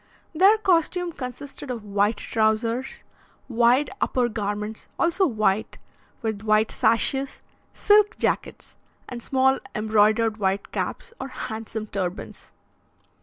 Their costume consisted of white trousers, wide upper garments, also white, with white sashes, silk jackets, and small embroidered white caps, or handsome turbans.